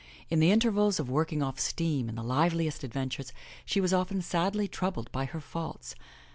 In the intervals of working off steam in the liveliest adventures, she was often sadly troubled by her faults.